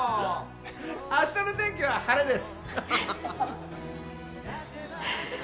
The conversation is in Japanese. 明日の天気は晴れです。